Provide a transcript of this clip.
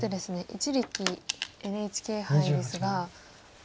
一力ＮＨＫ杯ですが。